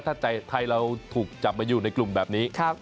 ถ้าใจไทยเราถูกจับมาอยู่ในกลุ่มแบบนี้